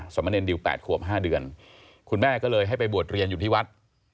สมเนรดิว๘ขวบ๕เดือนคุณแม่ก็เลยให้ไปบวชเรียนอยู่ที่วัด